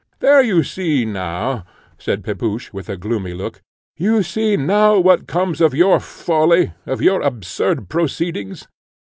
"There you see now," said Pepusch, with a gloomy look "you see now what comes of your folly, of your absurd proceedings.